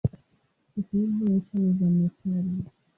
Siku hizi ncha ni za metali.